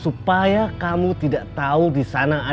supaya kamu tidak tahu disana ada bagi mana